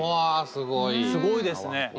すごいですね。